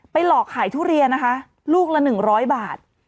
หลอกขายทุเรียนนะคะลูกละ๑๐๐บาท